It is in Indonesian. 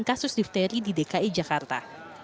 kasus difteri di dki jakarta